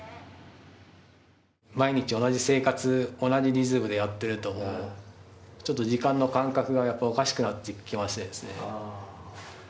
毎日、同じ生活、同じリズムでやってると、ちょっと時間の間隔がおかしくなってきます。